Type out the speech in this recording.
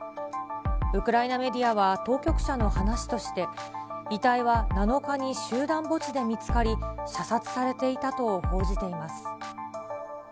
ウクライナメディアは、当局者の話として、遺体は７日に集団墓地で見つかり、射殺されていたと報じています。